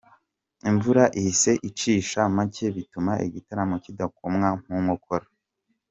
Imvura ihise icisha make bituma igitaramo kidakomwa mu nkokora.